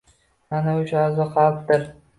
Ana o‘sha a’zo qalbdir.